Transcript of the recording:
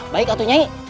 baik atuh nyanyi